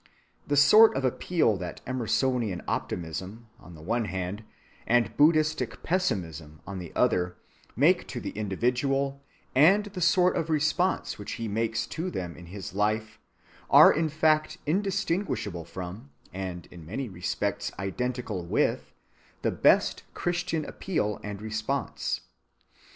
The sort of appeal that Emersonian optimism, on the one hand, and Buddhistic pessimism, on the other, make to the individual and the sort of response which he makes to them in his life are in fact indistinguishable from, and in many respects identical with, the best Christian appeal and response.